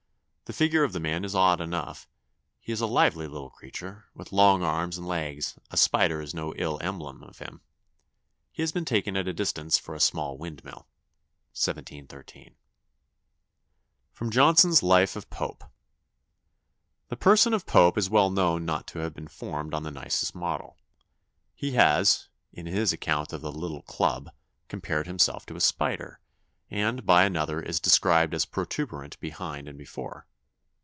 The figure of the man is odd enough; he is a lively little creature, with long arms and legs: a spider is no ill emblem of him. He has been taken at a distance for a small windmill." 1713. [Sidenote: Johnson's Life of Pope.] "The person of Pope is well known not to have been formed on the nicest model. He has, in his account of the Little Club, compared himself to a spider, and, by another, is described as protuberant behind and before.